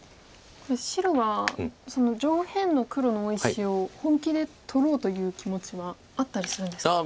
これ白は上辺の黒の大石を本気で取ろうという気持ちはあったりするんですか？